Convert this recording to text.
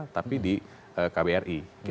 tapi di kbri